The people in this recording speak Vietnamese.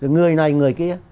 người này người kia